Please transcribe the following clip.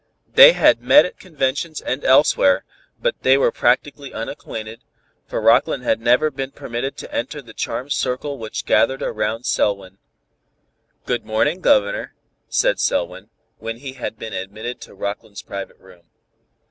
They had met at conventions and elsewhere, but they were practically unacquainted, for Rockland had never been permitted to enter the charmed circle which gathered around Selwyn. "Good morning, Governor," said Selwyn, when he had been admitted to Rockland's private room.